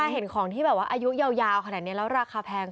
เห็นของที่แบบว่าอายุยาวขนาดนี้แล้วราคาแพง